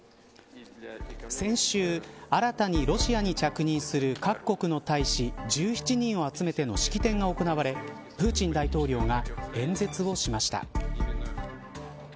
先週、新たにロシアに着任する各国の大使、１７人を集めての式典が行われプーチン大統領が演説をしました。